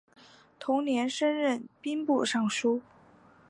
同年升任兵部尚书。